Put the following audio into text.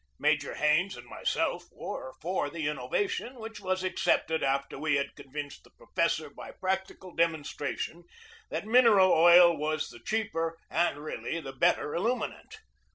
Major Hains and myself were for the innovation, which was accepted after we had convinced the professor by practical demonstration that mineral oil was the cheaper and really the better illuminant.